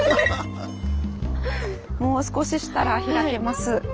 もう少ししたら開けます。